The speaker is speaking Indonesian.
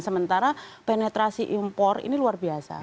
sementara penetrasi impor ini luar biasa